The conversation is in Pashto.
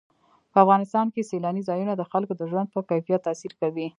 په افغانستان کې سیلانی ځایونه د خلکو د ژوند په کیفیت تاثیر کوي.